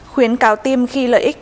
khuyến cáo tiêm khi lợi ích